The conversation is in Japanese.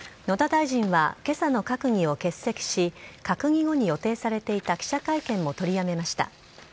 野田大臣は今朝の閣議を欠席し閣議後に予定されていた記者会見も取りやめました。